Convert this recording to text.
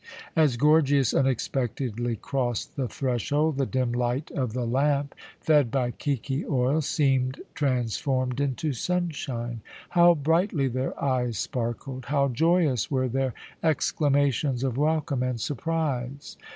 As Gorgias unexpectedly crossed the threshold, the dim light of the lamp fed by kiki oil seemed transformed into sunshine. How brightly their eyes sparkled, how joyous were their exclamations of welcome and surprise!